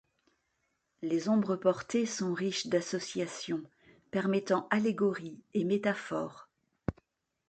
Les ombres portées sont riches d'associations, permettant allégories et métaphores.